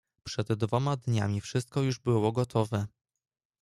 "Przed dwoma dniami wszystko już było gotowe."